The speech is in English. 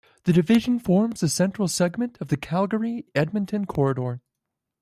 The division forms the central segment of the Calgary-Edmonton Corridor.